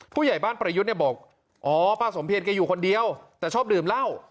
ผู้ใหญ่บ้านประยุทธ์เนี่ยบอกอ๋อป้าสมเพียรแกอยู่คนเดียวแต่ชอบดื่มเหล้า